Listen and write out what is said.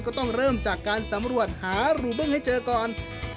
ก็ต้องเริ่มจากการสำรวจหารูบึ้งให้เจอก่อน